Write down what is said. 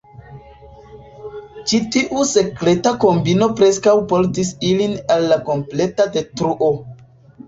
Ĉi tiu sekreta kombino preskaŭ portis ilin al la kompleta detruo.